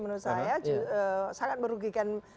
menurut saya sangat merugikan